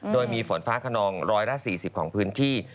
โดยมีฝนฟ้าขนอง๑๔๐ของพื้นที่